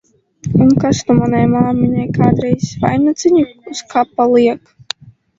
Un kas nu manai māmiņai kādreiz vainadziņu uz kapa liek!